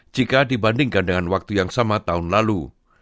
jika dibandingkan dengan waktu yang sama tahun lalu